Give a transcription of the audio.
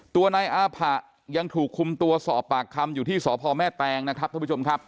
ตัวนายอาผะยังถูกคุมตัวสอบปากคำอยู่ที่สพแม่แตงนะครับท่านผู้ชมครับ